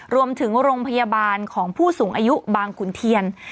โรงพยาบาลของผู้สูงอายุบางขุนเทียน